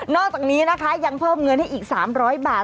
อกจากนี้นะคะยังเพิ่มเงินให้อีก๓๐๐บาท